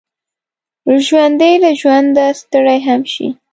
ژوندي له ژونده ستړي هم شي